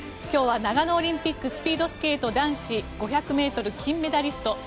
今日は長野オリンピックスピードスケート男子５００ｍ金メダリスト